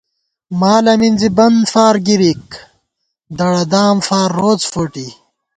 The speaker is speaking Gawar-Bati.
مالہ مِنزی بن فار گِرِک، دڑہ دام فار روڅ فوٹی